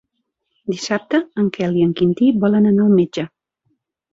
Dissabte en Quel i en Quintí volen anar al metge.